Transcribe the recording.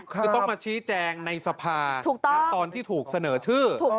คือต้องมาชี้แจงในสภาตอนที่ถูกเสนอชื่อ